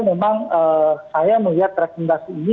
memang saya melihat rekomendasi ini